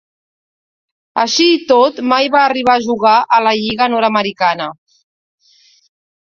Així i tot, mai va arribar a jugar a la lliga nord-americana.